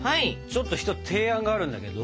ちょっと一つ提案があるんだけど。